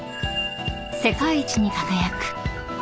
［世界一に輝く］